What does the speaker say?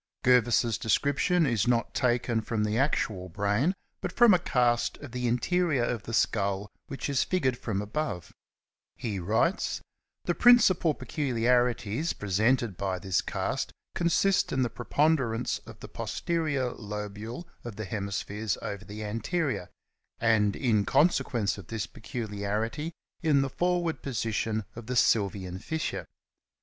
Gervais's description ^ is not taken from the actual brain^ but from a cast of the interior of the skull which is figured ^ from above : he writes: — '^ The principal peculiarities presented by this cast consist in the preponderance of the posterior lobule of the hemispheres over the anterior, and, in consequence of this pecuharity, in the forward position of the Sylvian fissure.